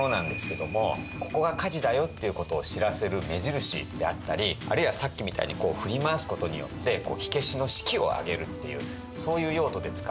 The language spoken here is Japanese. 「ここが火事だよ」っていうことを知らせる目印であったりあるいはさっきみたいにこう振り回すことによって火消しの士気をあげるっていうそういう用途で使われたものなんです。